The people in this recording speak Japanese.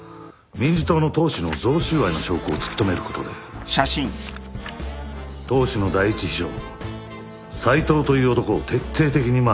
民事党の党首の贈収賄の証拠を突き止めることで党首の第１秘書斉藤という男を徹底的にマークした。